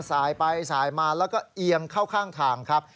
สายไปสายมาแล้วก็เอียงเข้าข้างทางครับ